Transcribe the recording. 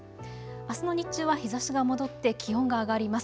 あすの日中は日ざしが戻って気温が上がります。